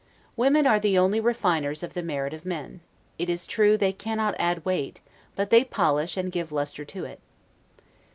Women are the only refiners of the merit of men; it is true, they cannot add weight, but they polish and give lustre to it.